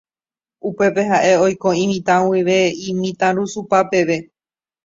Upépe ha'e oiko imitã guive imitãrusupa peve.